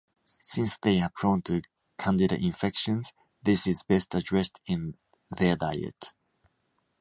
Since they are prone to candida infections this is best addressed in their diet.